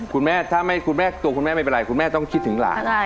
คุณแม่ถ้าคุณแม่ตัวคุณแม่ไม่เป็นไรคุณแม่ต้องคิดถึงหลาน